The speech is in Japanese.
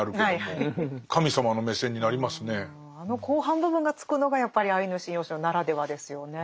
あの後半部分がつくのがやっぱり「アイヌ神謡集」ならではですよね。